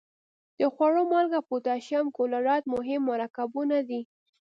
د خوړو مالګه او پوتاشیم کلورایډ مهم مرکبونه دي.